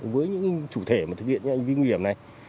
với những chủ thể mà thực hiện những hành vi nguy hiểm này